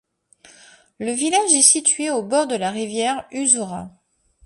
Le village est situé au bord de la rivière Usora.